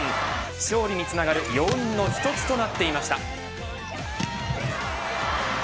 勝利につながる要因の一つとなっていました。